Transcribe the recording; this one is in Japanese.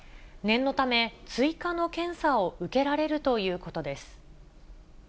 念のため、追加の検査を受けられるということです。